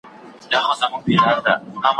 پريمانه طبيعي زېرمو هم مرسته وکړه.